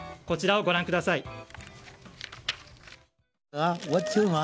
こちらをご覧ください。